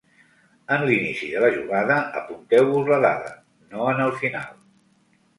En l’inici de la jugada, apunteu-vos la dada, no en el final.